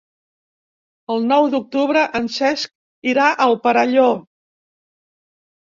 El nou d'octubre en Cesc irà al Perelló.